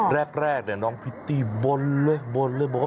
แรกน้องพริตตี้บนเลยบนเลยบน